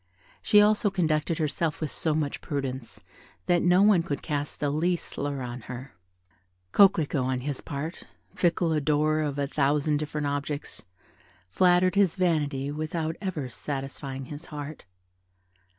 She also conducted herself with so much prudence that no one could cast the least slur on her. Coquelicot, on his part "fickle adorer of a thousand different objects" flattered his vanity without ever satisfying his heart.